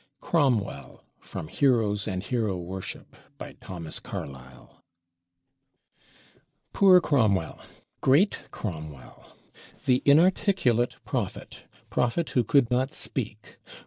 CROMWELL From 'Heroes and Hero Worship' Poor Cromwell, great Cromwell! The inarticulate Prophet; Prophet who could not speak.